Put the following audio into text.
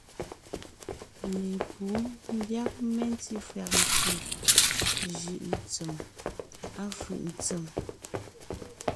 Lepǔ ḿbyág mentí fÿàg ntsèm jʉ̀’ ntsѐm, à fʉ̀’ ntsém.